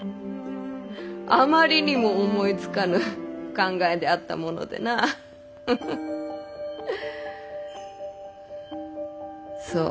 あまりにも思いつかぬ考えであったものでなそう。